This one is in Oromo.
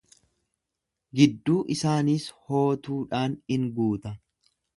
Gidduu isaaniis hootuudhaan in guuta.